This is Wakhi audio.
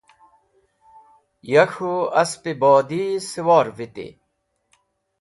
Ya k̃hũ Asp-e Bodi siwar viti.